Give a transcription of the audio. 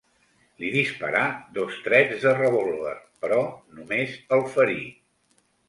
Li disparà dos trets de revòlver però només el ferí.